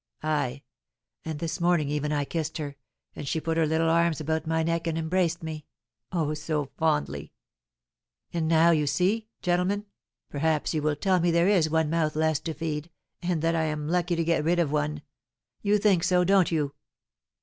Ay, and this morning even I kissed her, and she put her little arms about my neck and embraced me, oh, so fondly! And now, you see, gentlemen, perhaps you will tell me there is one mouth less to feed, and that I am lucky to get rid of one, you think so, don't you?"